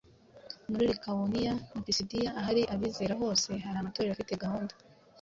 Muri Likawoniya na Pisidiya ahari abizera hose, hari amatorero afite gahunda.